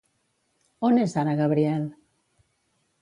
On és ara Gabriel?